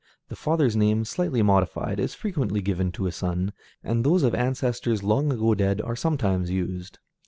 The father's name, slightly modified, is frequently given to a son, and those of ancestors long ago dead are sometimes used.